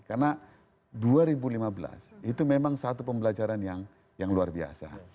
karena dua ribu lima belas itu memang satu pembelajaran yang yang luar biasa